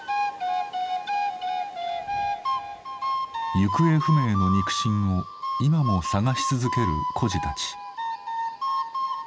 行方不明の肉親を今も捜し続ける孤児たち。